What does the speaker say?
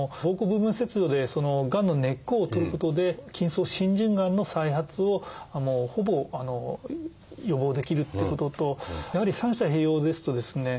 膀胱部分切除でそのがんの根っこを取ることで筋層浸潤がんの再発をほぼ予防できるっていうこととやはり三者併用ですとですね